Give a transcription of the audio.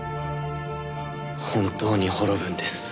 本当に滅ぶんです。